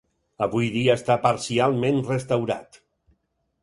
Avui dia està parcialment restaurat.